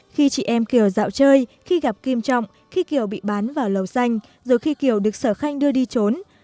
khi chị em kiều dạo chơi khi gặp kim trọng khi kiều bị bán vào lầu xanh rồi khi kiều được sở khanh đưa đi trốn